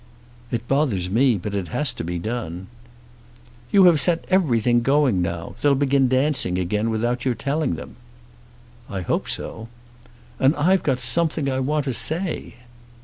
"It bothers me; but it has to be done." "You have set everything going now. They'll begin dancing again without your telling them." "I hope so." "And I've got something I want to say."